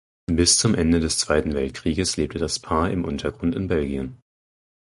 Bis zum Ende des Zweiten Weltkrieges lebte das Paar im Untergrund in Belgien.